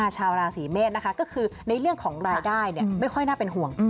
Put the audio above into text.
ชาวราศีเมษนะคะก็คือในเรื่องของรายได้ไม่ค่อยน่าเป็นห่วง